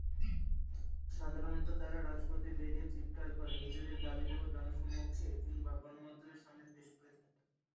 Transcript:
সাধারণত তারা রাজপথে বেরিয়ে চিৎকার করে নিজেদের দাবি-দাওয়া জনসমক্ষে কিংবা গণমাধ্যমের সামনে পেশ করে থাকেন।